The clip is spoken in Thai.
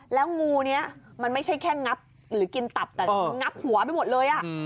แล้วงูนี้มันไม่ใช่แค่งับหรือกินตับแต่งับหัวไปหมดเลย